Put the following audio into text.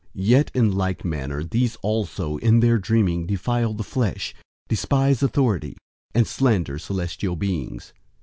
001:008 Yet in like manner these also in their dreaming defile the flesh, despise authority, and slander celestial beings.